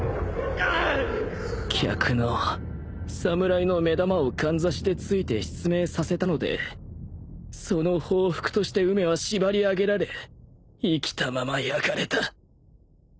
客の侍の目玉をかんざしで突いて失明させたのでその報復として梅は縛り上げられ生きたまま焼かれた